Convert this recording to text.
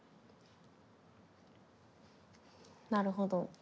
なるほど。